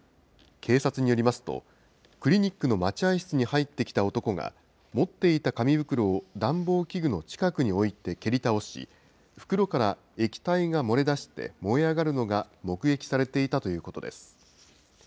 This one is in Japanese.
警察によりますと、クリニックの待合室に入ってきた男が、持っていた紙袋を暖房器具の近くに置いて蹴り倒し、袋から液体が漏れ出して燃え上がるのが目撃されていたということです。